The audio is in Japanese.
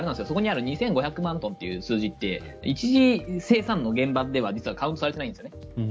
そこにある２５００万トンという数字って一次生産の現場ではカウントされてないんですね。